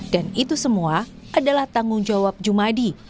dan itu semua adalah tanggung jawab jumadi